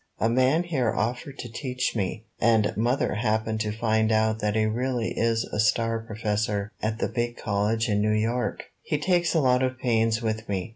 A man here offered to teach me, and mother happened to find out that he really is a Star Professor at the big college in New York! ''He takes a lot of pains with me.